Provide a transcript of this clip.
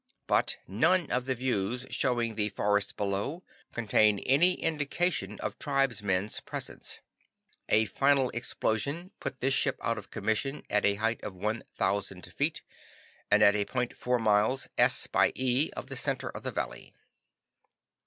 But none of the views showing the forest below contain any indication of tribesmen's presence. A final explosion put this ship out of commission at a height of 1,000 feet, and at a point four miles S. by E. of the center of the valley."